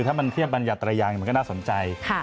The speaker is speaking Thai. ถ้ามันเทียบบรรยัตรยางมันก็น่าสนใจ